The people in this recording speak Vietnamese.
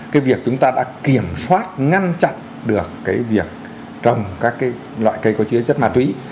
cái việc chúng ta đã kiểm soát ngăn chặn được cái việc trồng các loại cây có chứa chất ma túy